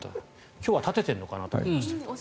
今日は立てているのかなと思いましたが。